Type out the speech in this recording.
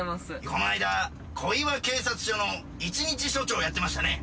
この間小岩警察署の一日署長やってましたね。